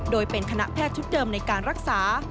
โดยเป็นคณะแพทย์ชุดเดิมในการรักษา